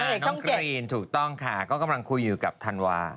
น้องกรีนถูกต้องค่ะก็กำลังคุยอยู่กับธันวา